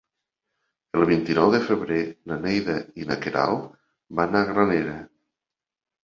El vint-i-nou de febrer na Neida i na Queralt van a Granera.